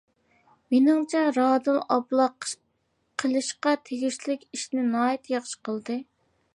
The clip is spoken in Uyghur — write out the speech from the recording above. مېنىڭچە رادىل ئابلا قىلىشقا تېگىشلىك ئىشنى ناھايىتى ياخشى قىلدى.